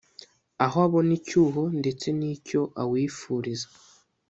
aho abona icyuho ndetse n'icyo awifuriza